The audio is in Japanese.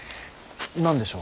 何でしょう。